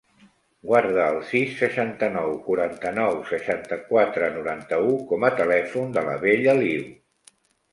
Guarda el sis, seixanta-nou, quaranta-nou, seixanta-quatre, noranta-u com a telèfon de la Bella Liu.